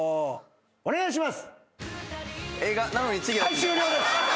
お願いします。